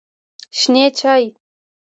شنې چای